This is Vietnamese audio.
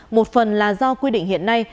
một phần là do quy định hiện nay